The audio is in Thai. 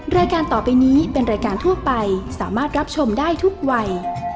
รายการต่อไปนี้เป็นรายการทั่วไปสามารถรับชมได้ทุกวัย